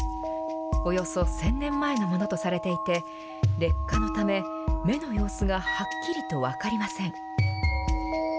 およそ１０００年前のものとされていて劣化のため、目の様子がはっきりと分かりません。